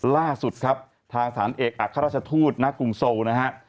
ล่าสุดครับทางสถานเอกอัครราชทูตณกรุงโซลนะฮะ